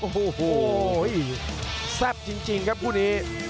โอ้โหแซ่บจริงครับคู่นี้